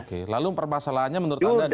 oke lalu permasalahannya menurut anda